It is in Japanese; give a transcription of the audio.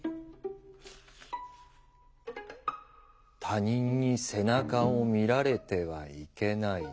「他人に背中を見られてはいけない。